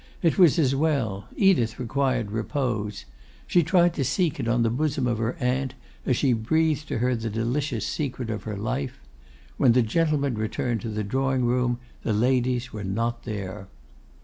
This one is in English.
It was as well. Edith required repose. She tried to seek it on the bosom of her aunt, as she breathed to her the delicious secret of her life. When the gentlemen returned to the drawing room the ladies were not there.